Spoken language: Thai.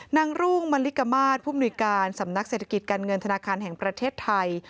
รุ่งมลิกมาตรผู้มนุยการสำนักเศรษฐกิจการเงินธนาคารแห่งประเทศไทย